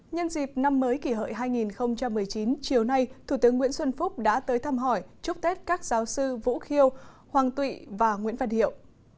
nhân dịp năm mới kỷ hợi hai nghìn một mươi chín chiều nay thủ tướng nguyễn xuân phúc đã tới thăm hỏi chúc tết các giáo sư vũ khiêu hoàng tụy và nguyễn văn hiệu